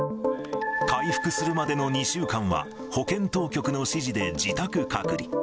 回復するまでの２週間は、保健当局の指示で自宅隔離。